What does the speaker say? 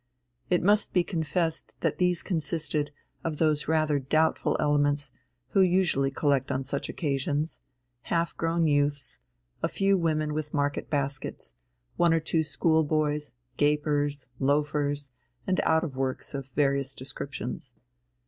It must be confessed that these consisted of those rather doubtful elements who usually collect on such occasions: half grown youths, a few women with market baskets, one or two schoolboys, gapers, loafers, and out of works of various descriptions.